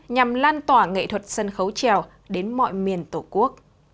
nhằm lan tỏa nghệ thuật sân khấu trèo